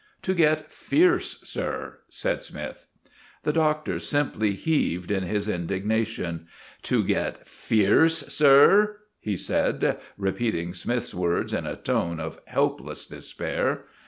"To get fierce, sir," said Smythe. The Doctor simply heaved in his indignation. "To get fierce, sir!" he said, repeating Smythe's words in a tone of helpless despair.